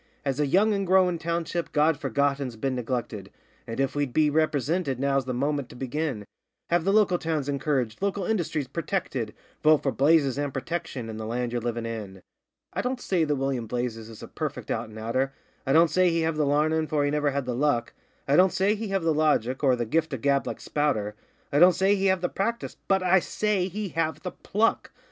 'As a young and growin' township God Forgotten's been neglected, And, if we'd be ripresinted, now's the moment to begin Have the local towns encouraged, local industries purtected: Vote for Blazes, and Protection, and the land ye're livin' in. 'I don't say that William Blazes is a perfect out an' outer, I don't say he have the larnin', for he never had the luck; I don't say he have the logic, or the gift of gab, like Spouter, I don't say he have the practice BUT I SAY HE HAVE THE PLUCK!